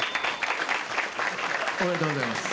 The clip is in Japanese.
おめでとうございます。